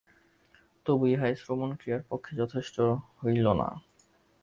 তবু ইহাই শ্রবণক্রিয়ার পক্ষে যথেষ্ট হইল না।